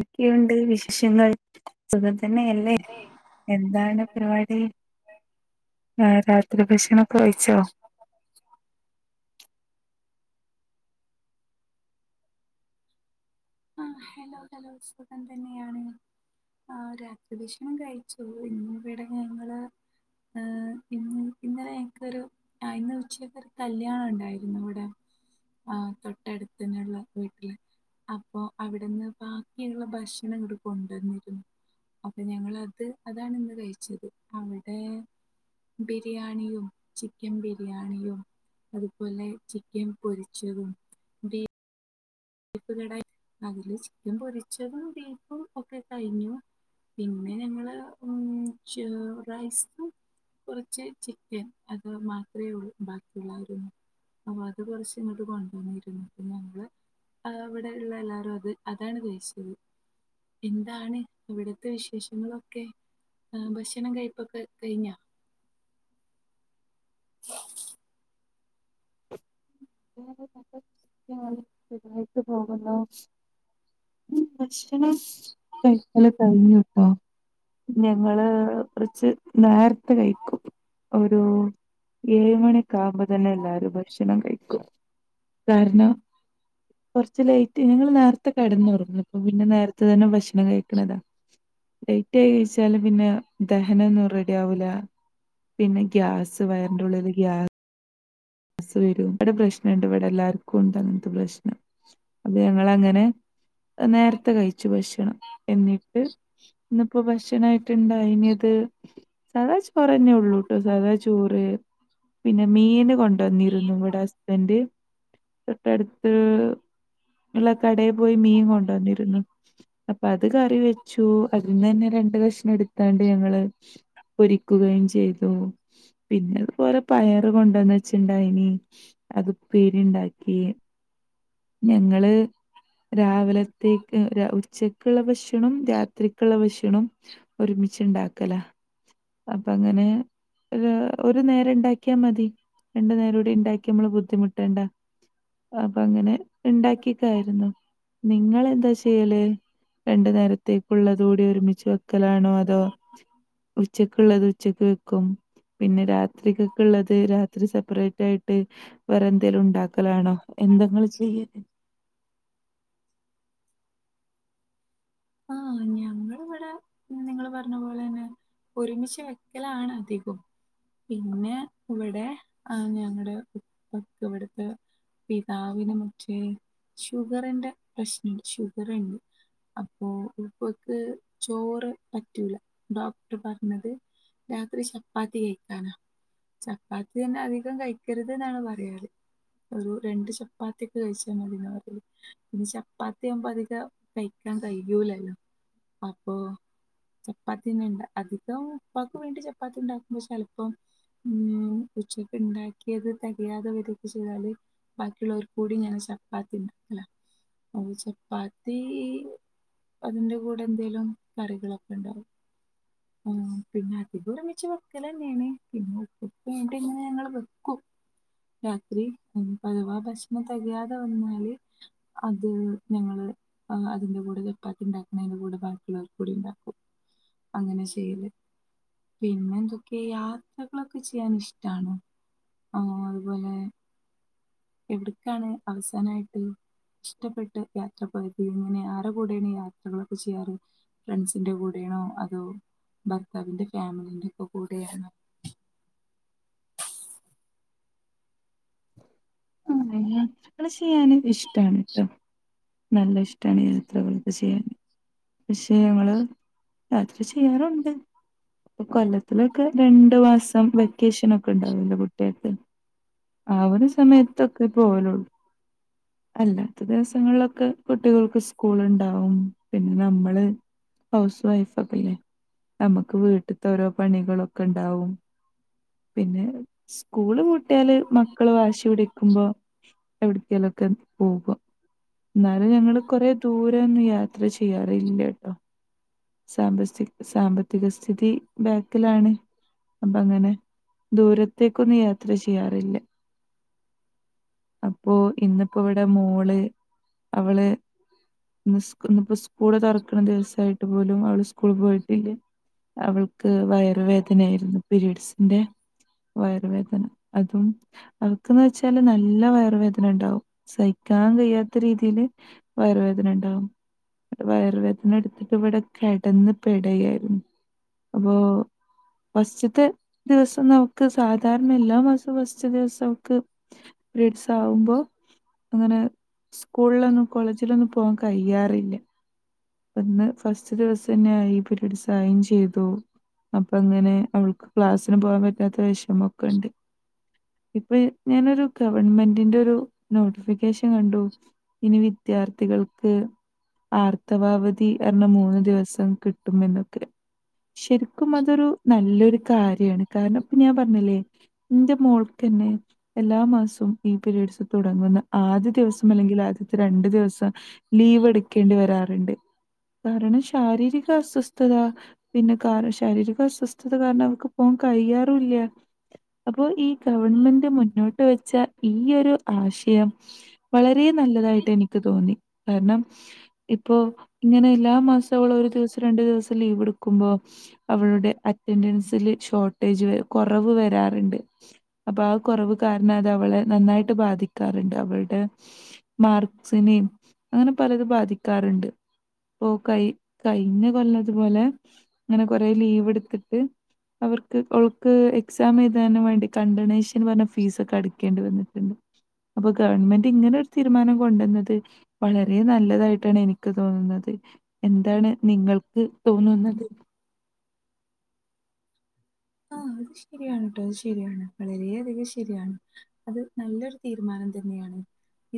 എക്കെയുണ്ട് വിശേഷങ്ങൾ സുഖം തന്നെയല്ലേ? എന്താണ് പരിപാടി ഹ് രാത്രി ഭക്ഷണൊക്കെ കഴിച്ചോ? ആ ഹെലോ ഹലോ സുഖം തന്നെയാണ്. ആ രാത്രി ഭക്ഷണം കൈച്ചു ഇന്നിവിടെ ഞങ്ങള്. ആഹ് ഇന്ന് ഇന്നലെ ഞങ്ങക്കൊരു. ആ ഇന്ന് ഉച്ചക്ക് ഒരു കല്യാണം ഉണ്ടായിരുന്നു ഇവിടെ. ആ തൊട്ടട്ത്തന്നെള്ള വീട്ട്ല്. അപ്പൊ അവിടെന്ന് ബാക്കിള്ള ഭക്ഷണം ഇങ്ങട് കൊണ്ടൊന്നിരുന്നൂ അപ്പൊ ഞങ്ങളത് അതാണ് ഇന്ന് കഴിച്ചത് അവിടെ ബിരിയാണിയും ചിക്കൻ ബിരിയാണിയും അതുപോലെ ചിക്കൻ പൊരിച്ചതും ബീ [inaudible] അതില് ചിക്കൻ പൊരിച്ചതും ബീഫും ഒക്കെ കഴിഞ്ഞൂ പിന്നെ ഞങ്ങള് ഉം ച്ചൊ റൈസും കൊറച്ച് ചിക്കൻ അത് മാത്രേ ഉള്ളൂ ബാക്കിയുള്ളായിരുന്നൂ ആ അത് കൊറച്ച് ഇങ്ങട്ട് കൊണ്ടൊന്നിരുന്നൂ പിന്നെ ഞങ്ങള് ആ അവിടെ ഇള്ള എല്ലാരും അത് അതാണ് കഴിച്ചത് എന്താണ് ഇവിടത്തെ വിശേഷങ്ങളൊക്കെ ആ ഭക്ഷണം കഴപ്പൊക്കെ കഴിഞ്ഞോ? [inaudible] സുഖവായിട്ട് പോകുന്നു ഭക്ഷണം കഴിക്കല് കഴിഞ്ഞൂട്ടോ. ഞങ്ങള് കുറച്ച് നേർത്തേ കഴിക്കും ഒരു ഏഴ് മണിയൊക്കാവുമ്പോ തന്നെ എല്ലാരും ഭക്ഷണം കഴിക്കും കാരണം കൊറച്ച് ലേറ്റ് ഞങ്ങള് നേർത്തെ കെടന്നുറങ്ങും അപ്പ പിന്നെ നേര ത്തെ തന്നെ ഭക്ഷണം കഴിക്ക്ണതാ ലേയ്റ്റായി കഴിച്ചാല് പിന്നെ ദഹനൊന്നും റെഡിയാവൂലാ പിന്നെ ഗ്യാസ് വയറിൻ്റെ ഉള്ളില് ഗ്യാസ് സ് വെരും ഇവടെ പ്രശ്നണ്ട് ഇവിടെ എല്ലാർക്കും ഇണ്ട് അങ്ങൻത്തെ പ്രശ്നം അപ്പൊ ഞങ്ങളങ്ങനെ നേർത്തെ കഴിച്ചു ഭക്ഷണം എന്നിട്ട് ഇന്ന്പ്പോ ഭക്ഷണായിട്ട് ഇണ്ടായിനിയത് സാധാ ചോറന്നേ ഉള്ളൂട്ടോ സാധാ ചോറ് പിന്നെ മീന് കൊണ്ട ന്നിരുന്നു ഇവടെ ഹസ്ബൻഡ് തൊട്ടട്ത്ത് അല്ല കടേ പോയി മീൻ കൊണ്ട് വന്നിരുന്നൂ അപ്പൊ അത് കറി വെച്ചു അതീന്ന് തന്നെ രണ്ട് കഷ്ണം എടുത്താണ്ട് ഞങ്ങള് പൊരിക്കുകയും ചെയ്തു പിന്നത് കൊറേ പയറ് കൊണ്ടന്നെ ച്ച് ഇണ്ടായിനീ അതുപ്പേരി ഇണ്ടാക്കി ഞങ്ങള് രാവിലത്തേക്ക് ഉച്ചക്ക്ള്ള ഭക്ഷണം രാത്രിക്ക്ള്ള ഭക്ഷണം ഒരുമിച്ച്ണ്ടാക്കലാ അപ്പ അങ്ങനെ ഒര് ഒരു നേരം ഇണ്ടാക്കിയാ മതി രണ്ട് നേര കൂടി ഇണ്ടാക്കി അമ്മള് ബുദ്ധിമുട്ടണ്ട അപ്പൊ അങ്ങനെ ഇണ്ടാക്കീക്കാ യിരുന്നോ നിങ്ങെളെന്താ ചെയ്യല് രണ്ടു നേരത്തേക്കുള്ളത് കൂടി ഒരുമിച്ച് വെക്കലാണോ അതോ ഉച്ചക്കുള്ളത് ഉച്ചക്ക് വെക്കും പിന്നെ രാത്രിക്കൊക്കെ ഉള്ളത് രാത്രി സെപ്പറേറ്റ് ആയിട്ട് വേറെ എന്തേലും ഇണ്ടാക്കലാണോ എന്താ നിങ്ങള് ചെയ്യ ആ ഞങൾ ഇവിടെ നിങ്ങള് പറഞ്ഞ പോലെ തന്നെ ഒരുമിച്ച് വെ [unintelligible] ആണത്തിക്കൂ പിന്നെ ഇവിടെ ആ ഞങ്ങളുടെ ഉപ്പക്ക് ഇവിടുത്തെ പിതാവിന് മറ്റേ ഷുഗറിന്റെ പ്രശ്നണ്ട് ഷുഗറുണ്ട് രാത്രി ഉപ്പക്ക് ചോറ് പറ്റൂലാ ഡോക്ടർ പറഞ്ഞത് രാത്രി ചപ്പാത്തി കഴിക്കാനാ ചപ്പാത്തി തന്നെ അധികം കഴിക്കരുത് എന്നാണ് പറയാറ് ഒരു രണ്ട് ചപ്പാത്തിയൊക്കെ കഴിച്ചാൽ മതീന്ന് പറയാ പിന്നെ ചപ്പാത്തി ആകുമ്പോ അധികം കഴിക്കാൻ കഴിയൂലല്ലോ അപ്പൊ ചപ്പാത്തിന്നെ ഇണ്ട് അധികം ഉപ്പാക്ക് വേണ്ടി ചപ്പാത്തി ണ്ടാക്കുമ്പോ ചെലപ്പം ഉം ഉച്ചക്കെ ഉണ്ടാക്കിയത് തികയാതെ വരൊക്കെ ചെയ്താല് ബാക്കിയുള്ളവർക്ക് കൂടി ഞാൻ ചപ്പാത്തി ഇണ്ടാക്കലാ ഓ ചപ്പാത്തീ അതിന്റെ കൂടെ എന്തേലും കറികളൊക്കെ ഉണ്ടാവും ആ പിന്നെ അതികം ഒരുമിച്ച് വെക്കൽ തന്നെയാണ് പിന്നെ ഇപ്പോ ഇങ്ങനെ ഞങ്ങൾ വെക്കും രാത്രി അഥവാ ഭക്ഷണം തികയാതെ വന്നാല് അത് ഞങ്ങള് ആ അതിന്റെ കൂടെ ചപ്പാത്തി ഉണ്ടാക്കുന്ന അതിന്റെ കൂടെ ബാക്കുള്ളവർക്കു കൂടി ഉണ്ടാക്കും അങ്ങനെ ചെയ്യല് പിന്നെ എന്തൊക്കെയ യാത്രകളൊക്കെ ചെയ്യാൻ ഇഷ്ടണോ ആ അതുപോലെ [inaudible] എവിടക്കാണ് അവസാനായിട്ട് ഇഷ്ടപ്പെട്ട് യാത്ര പോയത് ഇങ്ങനെ ആരുടെ കൂടെയാണ് യാത്രകളൊക്കെ ചെയ്യാറ് ഫ്രണ്ട്സിന്റെ കൂടെയാണോ അതോ ഭർത്താവിന്റെ ഫാമിലിന്റെ കൂടെയാണോ ആ അങ്ങനെ യാത്ര ചെയ്യാന് ഇഷ്ടണിട്ടോ നല്ല ഇഷ്ട ആണ് യാത്രകളൊക്കെ ചെയ്യാൻ പക്ഷെ ഞങ്ങള് യാത്ര ചെയ്യാറുണ്ട് ഇപ്പൊ കൊല്ലത്ത് ഇവൾക്ക് രണ്ടു മാസം വെക്കേഷൻ ഒക്കെ ഉണ്ടാവല്ലോ കുട്ടികൾക്ക് ആ ഒരു സമയത്തൊക്കെ പോവലുള്ളൂ അല്ലാത്ത ദിവസങ്ങളിലൊക്കെ കുട്ടികൾക്ക്സ്ക്കൂൾ സ്കൂളുണ്ടാവും പിന്നെ നമ്മള് ഹൗസ് വൈഫ് ഒക്കെല്ലേ നമ്മുക്ക് വീട്ടത്തെ ഓരോ പണികളൊക്കെ ഉണ്ടാവും പിന്നെ സ്കൂള് പൂട്ടിയാല് മക്കള് വാശി പിടിക്കുമ്പോ എവിടക്കേലൊക്കെ പോവ എന്നാലും ഞങ്ങള് കൊറേ ദൂരൊന്നും യാത്ര ചെയ്യാറില്ലട്ടോ സാമ്പത്തിക സാമ്പത്തിക സ്ഥിതി ബാക്കിലാണ് അപ്പൊ അങ്ങനെ ദൂരത്തേക്കൊന്നും യാത്ര ചെയ്യാറില്ല അപ്പോ ഇന്നിപ്പോ ഇവിടെ മോള് അവള് പോയത് ഇന്നിപ്പോ സ്‌കൂള് തറക്കുന്ന ദിവസമായിട്ട് ഒരു മോള് സ്കൂൾ പോയിട്ടില്ല അവൾക്ക് വയറ് വേദനയായിരുന്നു പിരീഡ്സിന്റെ വയറുവേദന അതും അവൾക്കെന്ന് വെച്ചാല് നല്ല വയ- റു വേദന ഉണ്ടാവും സഹിക്കാൻ കഴിയാത്ത രീതിയില് വയറുവേദനണ്ടാവും വയറുവേദന എടുത്തിട്ട് ഇവിടെ കിടന്ന് പെടയായിരുന്നു അപ്പൊ ഫസ്റ്റിത്തെ ദിവസം ന- മുക്ക് സാധാരണ എല്ലാ മാസവും ഫസ്റ്റ് ദിവസം അവൾക്ക് പിരീഡ്സ് ആകുമ്പോ അങ്ങനെ സ്കൂൾലൊന്നും കോളേജിലൊന്നും പോകാൻ കഴിയാറില്ല അപ്പ ഇന്ന് ഫസ്റ്റ് ദിവസന്നെ ആയി പിരീഡ്സ് ആവും ചെയ്തു അപ്പ ഇങ്ങനെ അവൾക്ക് ക്ലാസ്സിന് പോകാൻ പറ്റാത്ത വിഷമൊക്കെണ്ട് ഇപ്പൊ- ഞാനൊരു ഗവൺമെന്റിന്റെ ഒരു നോട്ടിഫിക്കേഷൻ കണ്ടു ഇനി വിദ്യാർത്ഥികൾക്ക് ആർ- ത്തവാവധി പറഞ്ഞ് മൂന്ന് ദിവസം കിട്ടും എന്നൊക്കെ ശരിക്കും അതൊരു നല്ലൊരു കാര്യാണ് കാരണം ഇപ്പൊ ഞാൻ പറഞ്ഞില്ലേ ഇന്റെ മോൾക്കന്നെ എല്ലാ മാസവും ഈ പരീഡ്സ് തുടങ്ങുന്ന ആദ്യ ദിവസം അല്ലെങ്കിൽ ആദ്യത്തെ രണ്ടു ദിവസം ലീവ് എടുക്കേണ്ടി വരാറുണ്ട് കാരണം ശാരീരിക അസ്വസ്ഥത പിന്നെ കാരണം ശാരീരിക അസ്വസ്ഥത കാരണം അവൾക്ക് പോവാൻ കഴിയാറുല്ല അപ്പോ ഈ ഗവൺമെന്റ് മുന്നോട്ട് വെച്ച ഈ ഒരു ആശ- യം വളരെ നല്ലതായിട്ട് എനിക്ക് തോന്നി കാരണം ഇപ്പോ ഇങ്ങനെ എല്ലാ മാസവള് ഒരു ദിവസം രണ്ടു ദിവസം ലീവ് എടുക്കുമ്പോ അവളുടെ അറ്റൻ്റൻസിൽ ഷോർട്ടേജ് കുറവ് വരാറുണ്ട് അപ്പൊ ആ കുറവ് കാരണം അത് അവളെ നന്നായിട്ട് ബാധിക്കാറുണ്ട് അവളുടെ മാർക്സിനിം അങ്ങനെ പലത് ബാധിക്കാറുണ്ട് പോ കയി കഴിഞ്ഞ കൊല്ലം ഇതുപോലെ ഇങ്ങെനെ കൊറെ ലീവെടുത്തിട്ട് അവർക്ക് അവൾക്ക് എക്സാം എഴുതാനും വേണ്ടി കണ്ടണേഷൻ പറഞ്ഞ ഫീസൊക്കെ അട ക്കേണ്ടി വന്നിട്ട്ണ്ട്. അപ്പൊ ഗവൺമെന്റ് ഇങ്ങനെ ഒരു തീരുമാനം കൊണ്ടന്നത് വളരെ നല്ലതായിട്ടാണ് എനിക്ക് തോന്നുന്നത്. എന്താണ് നിങ്ങൾക്ക് തോന്നുന്നത് ആഹ് അത് ശെരിയാണ് ട്ടോ. അത് ശെരിയാണ്. വളെരെ അധികം ശെരിയാണ്. അത് നല്ലൊരു തീരുമാനം തന്നെയാണ്.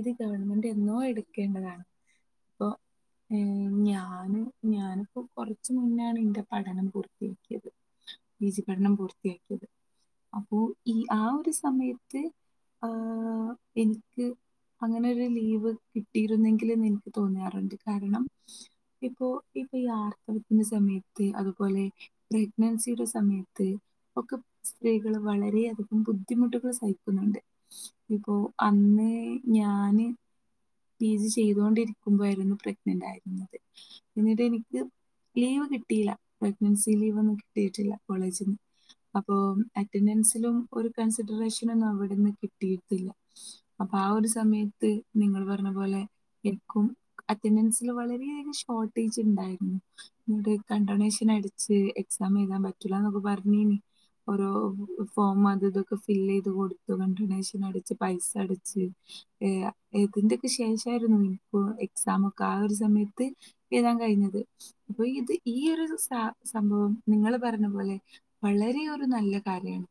ഇത് ഗവൺമെന്റ് എന്നോ എടുക്കേണ്ടതാണ്. പ്പോ ഏഹ് ഞാന് ഞാനിപ്പോ കൊറെച്ച് മുന്നാണ് ഇന്റെ പഠനം പൂർത്തിയാക്കിയത്. പി ജി പഠനം പൂർത്തിയാക്കിയത് അപ്പോ ഈ ആ ഒരു സമയത്ത് ആഹ് എനിക്ക് അങ്ങെനെ ഒരു ലീവ് കിട്ടിയിരുന്നെങ്കിലെന്ന് എനിക്ക് തോന്നാറ്ണ്ട് കാരണം ഇപ്പോ ഇപ്പയി ആർത്തവത്തിന്റെ സമയത്ത് അതുപോലെ പ്രഗ്നൻസിയുടെ സമയ ത്ത് ഒക്കെ സ്ത്രീകള് വളരെയധികം ബുദ്ധിമുട്ടുകൾ സഹിക്കുന്നുണ്ട് ഇപ്പോ അന്ന് ഞാന് പി ജി ചെയ്തോണ്ടിരിക്കുമ്പോയാരുന്നു പ്രഗ്നന്റ് ആയത്. എന്നിട്ട് എനിക്ക് ലീവ് കിട്ടിയില്ല പ്രഗ്നൻസി ലീവൊന്നും കിട്ടിയിട്ടില്ല കോളേജിന്ന്. അപ്പൊ അറ്റൻഡൻസിലും ഒരു കൺസിഡറേഷനൊന്നും അവിടെന്ന് കിട്ടിയിട്ടില്ല. അപ്പൊ ആ ഒരു സമയത്ത് നിങ്ങള് വെ ണ പോലെ എനിക്കും അറ്റൻഡൻസിൽ വളരെയധികം ഷോർട്ടേജ് ഉണ്ടായിരുന്നു. ന്നട്ട് കൺണ്ടണേഷൻ അടിച്ച് എക്സാം എഴുതാൻ പറ്റൂല്ലന്നൊക്കെ പറഞീനീ ഓരോ ഫോം അത് ഇതൊക്കെ ഫില്ലെയ്ത് കൊടുത്തു കണ്ടിഡൊണേഷൻ അടിച്ച് പൈസ അടിച്ച് ഏയാ ഏകുന്തിപ്പ് ശേഷയായ്രുന്നു ഇപ്പോ എക്സാം ഒക്കെ ആ ഒരു സമയത്ത് എഴുതാൻ കഴിഞ്ഞത് അപ്പൊ ഇത് ഈ ഒരു സ സംഭവം. നിങ്ങള് പറഞ്ഞ പോലെ. വളരെ ഒരു നല്ല കാര്യാണ്.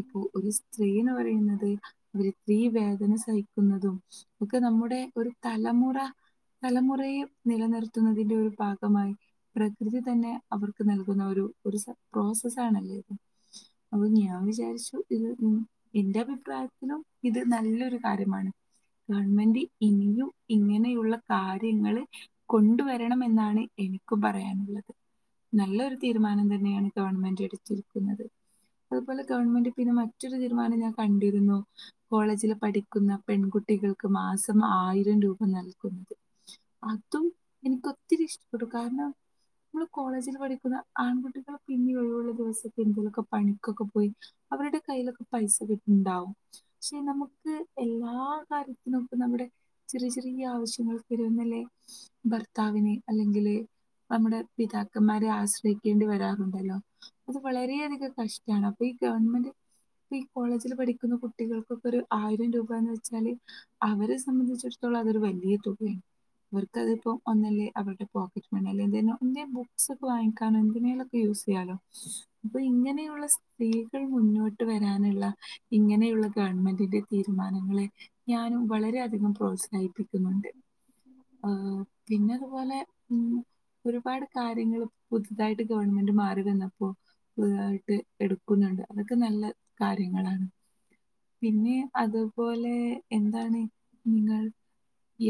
ഇപ്പൊ ഒരു സ്ത്രീന്ന് പറയുന്നത്. ഒരു സ്ത്രീ വേദന സഹിക്കുന്നതും. ഒക്ക് നമ്മുടെ ഒരു തലമുറ തലമുറയെ നിലനിർത്തുന്നതിന്റെ ഒരു ഭാഗമായി. പ്രകൃതി തന്നെ അവർക്ക് നൽകുന്ന ഒരു സ പ്രോസസ് ആണല്ലേത്. അപ്പൊ ഞാൻ വിചാരിച്ചു. ഇത് ഉം ഇന്റെ അഭിപ്രായത്തിലും ഇത് നല്ലൊരു കാര്യമാണ്. ഗവൺമെൻ്റ് ഇനിയും ഇങ്ങനെയുള്ള കാര്യങ്ങള്. കൊണ്ടുവരേണെമെന്നാണ് എനിക്കും പറയാനുള്ളത്. നല്ലൊരു തീരുമാനം തന്നെയാണ് ഗവൺമെൻ്റ് എടുത്തിരിക്കുന്നത്. അതുപോലെ ഗവൺമെന്റ് പിന്നെ മറ്റൊരു തീരുമാനം ഞാൻ കണ്ടിരുന്നു. കോളേജില് പഠിക്കുന്ന പെൺകുട്ടികൾക്ക് മാസം ആയിരം രൂപ നൽകുന്നത്. അതും എനിക്ക് ഒത്തിരി ഇഷ്ടപ്പെട്ടു. കാരണം നമ്മെള് കോളേജില് പഠിക്കുന്ന ആൺകുട്ടികൾ പിന്നെ ഒഴിവൊള്ള ദിവസം. എന്തലെക്കെ പണിക്കൊക്കെ പോയി. അവെരെടെ കയ്യിലെക്കെ പൈസ കിട്ട്ണണ്ടാവും. പക്ഷെ നമുക്ക് എല്ലാം. കാര്യത്തിനൊപ്പം നമ്മുടെ. ചെറിയ ചെറിയ ആവശ്യങ്ങൾക്ക് വെരുന്നല്ലേ. ഭർത്താവിനെ അല്ലെങ്കില് നമ്മുടെ പിതാക്കന്മാരെ ആശ്രയിക്കേണ്ടി വെരാറുണ്ടല്ലോ. അത് വളരെയധികം കഷ്ടാണ്. അപ്പ ഈ ഗവൺമെന്റ്. ഇപ്പയി കോളേജിൽ പഠിക്കുന്ന കുട്ടികൾക്കൊക്കെ ഒരു ആയിരം രൂപാന്ന് വെച്ചാല്. അവരെ സംബന്ധിച്ചിടത്തോളം അതൊരു വല്യ തുകയാണ്. അവർക്കതിപ്പോം ഒന്നല്ലേ. അവരുടെ പോക്കറ്റ് മണിലെന്തിനോ ന്റെ ബുക്സ് ഒക്കെ വാങ്ങിക്കാനോ എന്തിനേലുക്കെ യൂസ് ചെയ്യാലോ. അപ്പ ഇങ്ങനെയുള്ള സ് സ്ത്രീകൾ മുന്നോട്ട് വെരാനുള്ള ഇങ്ങെനെയുള്ള ഗവൺമെന്റിന്റെ തീരുമാനങ്ങളെ ഞാനും വളരെയധികം പ്രോത്സാഹിപ്പിക്കുന്നുണ്ട്. ആ പിന്നതുപോലെ ഉം ഒരുപാട് കാര്യങ്ങൾ പുതുതായിട്ട് ഗവൺമെൻ്റ് മാറി വന്നപ്പോ പുതുതായിട്ട് എടുക്കുന്നുണ്ട് അതൊക്കെ നല്ല കാര്യങ്ങളാണ്. പിന്നെ അതുപോലെ എന്താണ് നിങ്ങൾ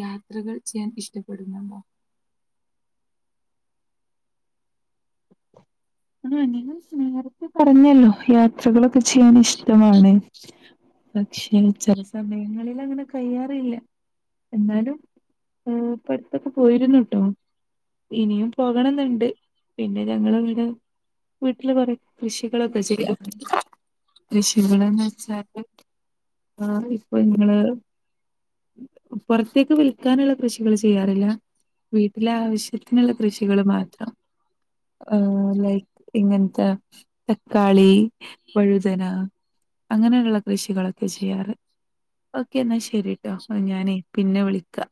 യാത്രകൾ ചെയ്യാൻ ഇഷ്ടപ്പെടുന്നു വോ [unintelligible] നേരത്തെ പറഞ്ഞല്ലോ യാത്രകളൊക്കെ ചെയ്യാൻ ഇഷ്ടമാണ്. പക്ഷെ ചില സമയങ്ങളിൽ അങ്ങനെ കഴിയാറില്ല എന്നാലും ആ ഇപ്പോ അടുത്ത് ഒകെ പോയിരുന്നു ട്ടോ ഇനിയും പോകണന്നുണ്ട് പിന്നെ ഞങ്ങൾ അങ്ങനെ വീട്ടില് കുറെ കൃഷികളൊക്കെ ചെയ്യാം കൃഷികളെന്ന് വെച്ചാല് [unintelligible] ഇപ്പൊ നിങ്ങള് പുറത്തേക്ക് വിൽക്കാനുള്ള കൃഷികൾ ചെയ്യാറില്ല വീട്ടിലെ ആവശ്യ തിനുള്ള കൃഷികൾ മാത്രം [unintelligible] ഇങ്ങനത്തെ തക്കാളി വഴുതന അങ്ങനെയുള്ള കൃഷികളൊക്കെയാ ചെയ്യാറ്. ഓക്കെ എന്നാൽ ശരിട്ടോ ഞാനേ പിന്നെ വിളിക്കാം